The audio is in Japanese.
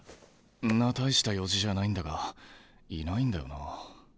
んな大した用事じゃないんだがいないんだよなあ。